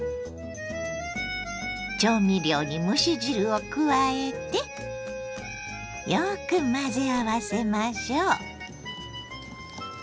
調味料に蒸し汁を加えてよく混ぜ合わせましょう。